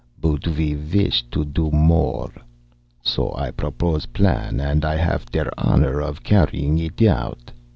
But we wished to do more. So I proposed a plan, and I haff der honor of carrying it out.